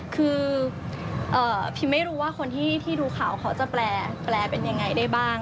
คือพิมไม่รู้ว่าคนที่ดูข่าวเขาจะแปลเป็นยังไงได้บ้าง